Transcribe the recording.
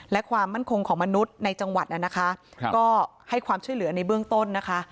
และความมั่นคงของมนุษย์ในจังหวัดนะคะก็ให้ความช่วยเหลือในเบื้องต้นนะคะ